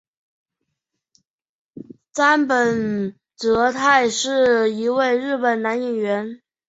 杉本哲太是一位日本男演员。